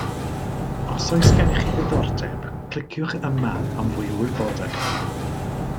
Os oes gennych chi ddiddordeb, cliciwch yma am fwy o wybodaeth